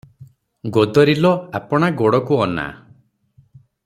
ଗୋଦରୀ ଲୋ ଆପଣା ଗୋଡ଼କୁ ଅନା ।